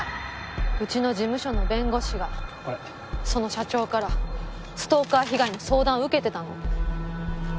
うちの事務所の弁護士がその社長からストーカー被害の相談を受けてたの。